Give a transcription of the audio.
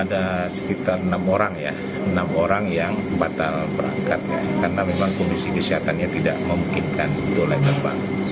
ada sekitar enam orang yang batal berangkat karena memang kondisi kesehatannya tidak memungkinkan dolen depan